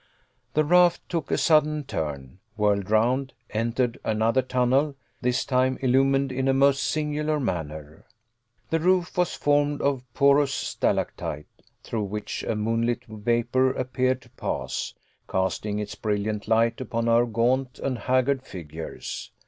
The raft took a sudden turn, whirled round, entered another tunnel this time illumined in a most singular manner. The roof was formed of porous stalactite, through which a moonlit vapor appeared to pass, casting its brilliant light upon our gaunt and haggard figures.